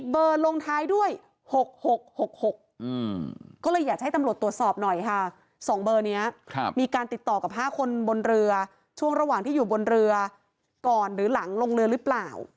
เบอร์ลงท้ายด้วย๖๖๖๖ก็เลยอยากให้ตำรวจตรวจสอบหน่อยค่ะ๒เบอร์นี้มีการติดต่อกับ๕คนบนเรือช่วงระหว่างที่อยู่บนเรือก่อนหรือหลังลงเรือหรือเปล่า